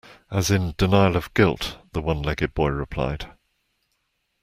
And as in denial of guilt, the one-legged boy replied.